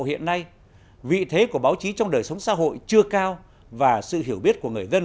hiện nay vị thế của báo chí trong đời sống xã hội chưa cao và sự hiểu biết của người dân